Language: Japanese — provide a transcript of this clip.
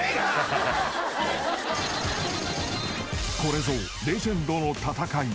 ［これぞレジェンドの戦い］